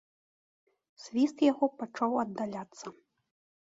Свіст яго пачаў аддаляцца.